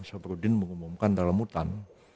syafruddin mengumumkan dalam hutan